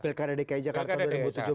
belkanai dki jakarta dua ribu tujuh belas ya